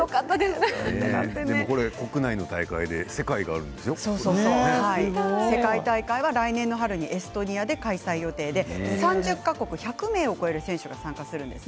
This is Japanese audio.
これ国内の大会で世界大会は来年春にエストニアで開催予定で３０か国１００名を超える選手が参加します。